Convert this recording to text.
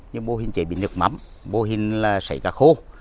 như mô hình chế biến nước mắm mô hình xây cà khô